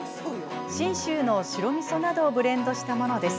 信州の白みそなどをブレンドしたものです。